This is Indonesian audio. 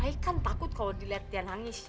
aikan takut kalau dilihat tian hangis